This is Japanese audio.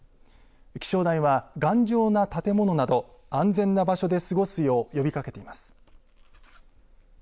気象台は頑丈な建物など安全な場所で過ごすよう呼びかけています。